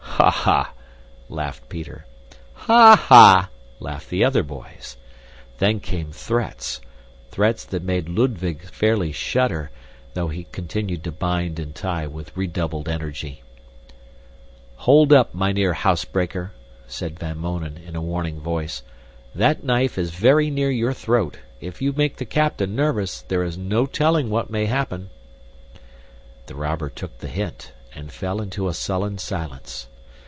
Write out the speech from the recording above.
"Ha! ha!" laughed Peter. "Ha! ha!" laughed the other boys. Then came threats, threats that made Ludwig fairly shudder, though he continued to bind and tie with redoubled energy. "Hold up, mynheer housebreaker," said Van Mounen in a warning voice. "That knife is very near your throat. If you make the captain nervous, there is no telling what may happen." The robber took the hint, and fell into a sullen silence.